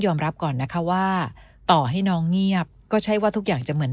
รับก่อนนะคะว่าต่อให้น้องเงียบก็ใช่ว่าทุกอย่างจะเหมือน